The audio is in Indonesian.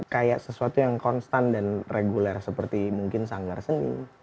kayak sesuatu yang konstan dan reguler seperti mungkin sanggar seni